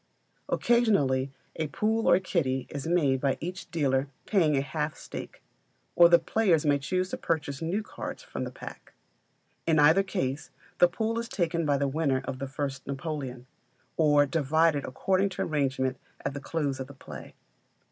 Occasionally a pool or kitty is made by each dealer paying a half stake; or the players may purchase new cards from the pack. In either case, the pool is taken by the winner of the first Napoleon, or divided according to arrangement at the close of the play.